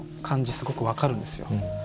すごく分かるんですよ。